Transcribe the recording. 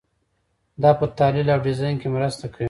دا په تحلیل او ډیزاین کې مرسته کوي.